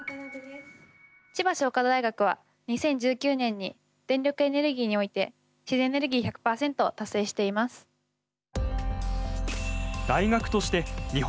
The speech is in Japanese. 千葉商科大学は２０１９年に電力エネルギーにおいて自然エネルギー１００％を達成しています。